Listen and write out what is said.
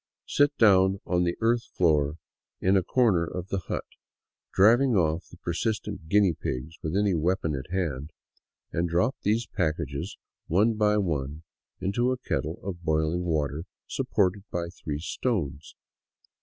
Sit down on the earth floor in a corner of the hut — driving off the persistent guinea pigs with any weapon at hand — and drop these packages one by one into a kettle of boiling water supported by three stones.